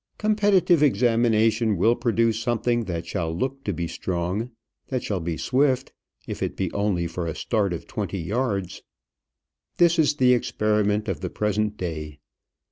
Competitive examination will produce something that shall look to be strong; that shall be swift, if it be only for a start of twenty yards. This is the experiment of the present day.